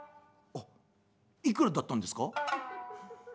「あっいくらだったんですか？」。